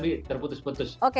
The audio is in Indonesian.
mendengar tapi terputus putus